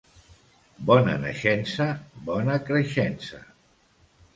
Bona naixença, bona creixença.